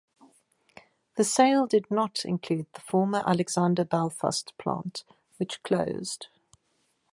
The sale did not include the former Alexander Belfast plant, which closed.